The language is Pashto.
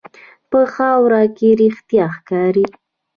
په خاوره کې رښتیا ښکاري.